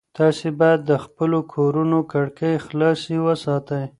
تاسي باید د خپلو کورونو کړکۍ خلاصې وساتئ.